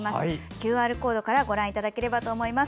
ＱＲコードからご覧いただければと思います。